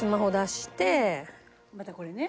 またこれね。